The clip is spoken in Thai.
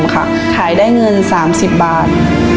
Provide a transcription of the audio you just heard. ขายได้เงิน๓๐บาท